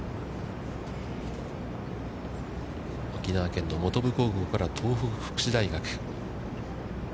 沖縄県の本部高校から東北福祉大学。